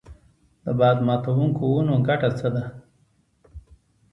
د باد ماتوونکو ونو ګټه څه ده؟